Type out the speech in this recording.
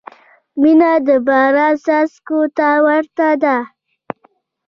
• مینه د باران څاڅکو ته ورته ده.